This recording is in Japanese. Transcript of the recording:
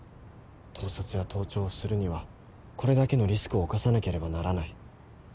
盗撮や盗聴をするにはこれだけのリスクを冒さなければならない。